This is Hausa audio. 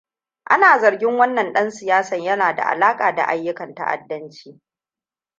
Ana zargin wannan dan siyasan yana da alaƙa da ayyukan ta'addanci.